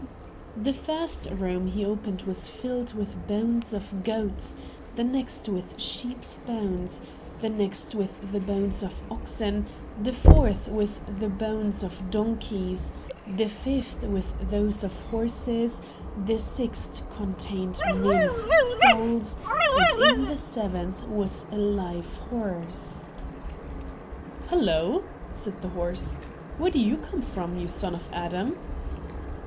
The first room he opened was filled with the bones of goats, the next with sheep's bones, the next with the bones of oxen, the fourth with the bones of donkeys, the fifth with those of horses, the sixth contained men's skulls, and in the seventh was a live horse. "Hullo!" said the horse; "where do you come from, you son of Adam?"